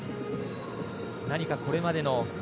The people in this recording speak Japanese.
何か、これまでの。